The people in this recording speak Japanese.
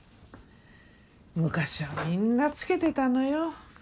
昔はみんなつけてたのよ。